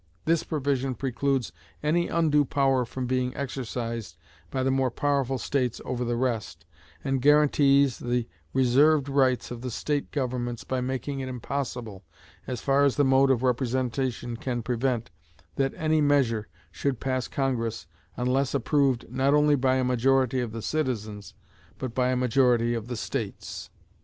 This provision precludes any undue power from being exercised by the more powerful states over the rest, and guarantees the reserved rights of the state governments by making it impossible, as far as the mode of representation can prevent, that any measure should pass Congress unless approved not only by a majority of the citizens, but by a majority of the states.